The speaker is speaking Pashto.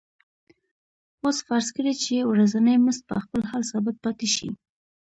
اوس فرض کړئ چې ورځنی مزد په خپل حال ثابت پاتې شي